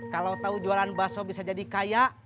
kalau tahu jualan bakso bisa jadi kaya